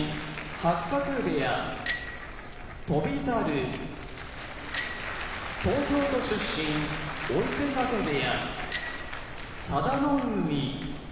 八角部屋翔猿東京都出身追手風部屋佐田の海